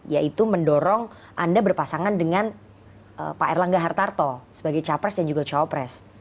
yaitu mendorong anda berpasangan dengan pak erlangga hartarto sebagai capres dan juga cawapres